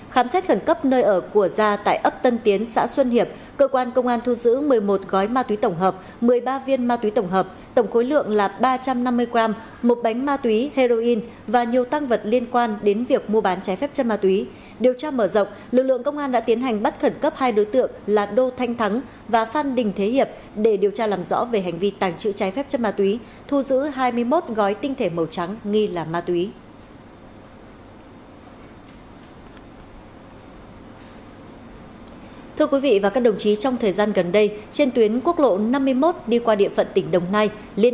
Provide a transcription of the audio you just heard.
khám xét nơi ở của các đối tượng cơ quan công an thu giữ một số tăng vật liên quan trong đó có hai xe mô tô là phương tiện các đối tượng thường xuyên sử dụng để đi cấp giật tài sản